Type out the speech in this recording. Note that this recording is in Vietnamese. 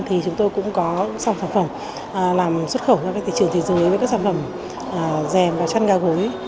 thì chúng tôi cũng có dòng sản phẩm làm xuất khẩu ra các thị trường thế giới với các sản phẩm dèm và chăn gà gối